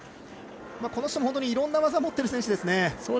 この人も本当にいろんな技を持っている選手ですね。